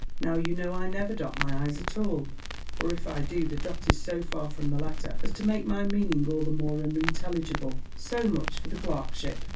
Now you know I never dot my i's at all, or if I do the dot is so far from the letter as to make my meaning all the more unintelligible. So much for the clerkship.